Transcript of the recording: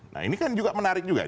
nah ini kan juga menarik juga